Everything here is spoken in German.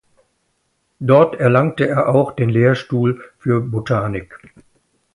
Dort erlangte er auch den Lehrstuhl für Botanik.